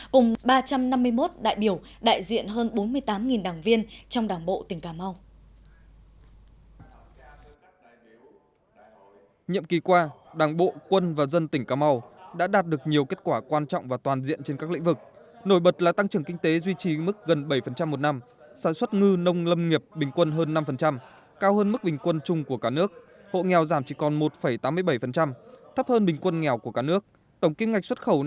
cùng ba trăm năm mươi một đại biểu đại diện hơn bốn mươi tám đảng viên trong đảng bộ tỉnh cà mau